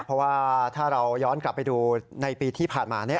เพราะว่าถ้าเราย้อนกลับไปดูในปีที่ผ่านมา